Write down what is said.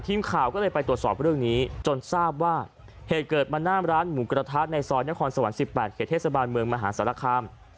ทีมข่าวก็เลยไปตรวจสอบเรื่องนี้จนทราบว่าเหตุเกิดมาหน้าร้านหมูกระทะในซอยนครสวรรค์๑๘เขตเทศบาลเมืองมหาศาลคาม